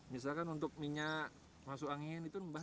misalkan untuk minyak masuk angin itu mbak